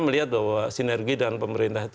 melihat bahwa sinergi dan pemerintah itu